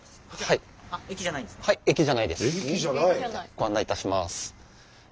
ご案内いたします。